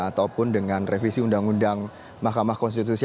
ataupun dengan revisi undang undang mahkamah konstitusi